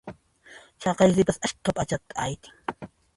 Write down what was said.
Chaqay sipas askha p'achata aytin.